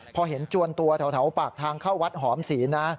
พอเห็นจวนตัวแถวปากทางเข้าวัดหอมศีลนะ